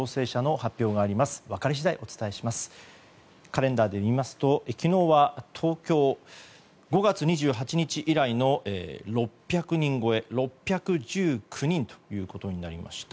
カレンダーで見ますと昨日は東京、５月２８日以来の６００人超え、６１９人ということになりました。